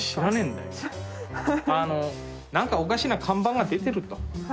あのなんかおかしな看板が出てると。